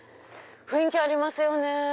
雰囲気ありますよね。